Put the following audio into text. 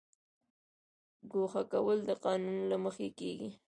ګوښه کول د قانون له مخې کیږي